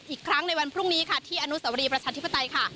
อีกครั้งในวันพรุ่งนี้ที่อนุสวรีประชาธิภาตัย